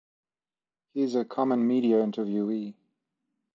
He is a common media interviewee.